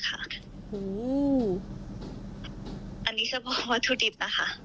อันนี้เฉพาะวัตถุดิบนะคะ